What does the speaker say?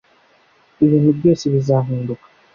ibintu byose bizahinduka,